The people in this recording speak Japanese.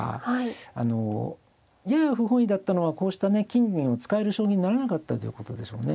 やや不本意だったのはこうしたね金銀を使える将棋にならなかったっていうことでしょうね。